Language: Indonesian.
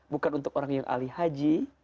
bukan untuk orang yang ahli haji